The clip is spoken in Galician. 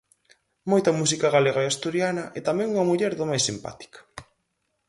Moita música galega e asturiana e tamén unha muller do máis simpática.